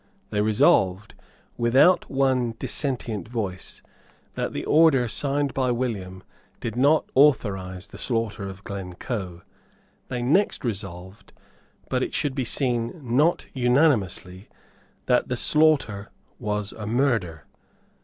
They resolved, without one dissentient voice, that the order signed by William did not authorise the slaughter of Glencoe. They next resolved, but, it should seem, not unanimously, that the slaughter was a murder.